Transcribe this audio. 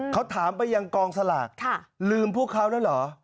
เขาถามไปยังกองสลากลืมพวกเขาแล้วเหรอ